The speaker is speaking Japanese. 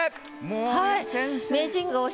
はい。